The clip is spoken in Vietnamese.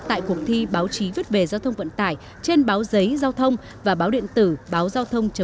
tại cuộc thi báo chí viết về giao thông vận tải trên báo giấy giao thông và báo điện tử báo giao thông vn do báo giao thông tổ chức